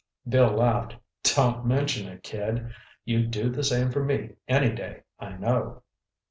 Bill laughed. "Don't mention it, kid. You'd do the same for me any day, I know."